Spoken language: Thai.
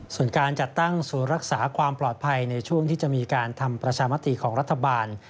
ส่วนการจัดตั้งศูนย์รักษาความปลอดภัยในช่วงที่จะมีการทำประชามติของรัฐบาล